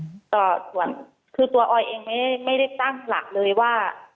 ส่วนคือตัวออยเองไม่ได้ตั้งหลักเลยว่า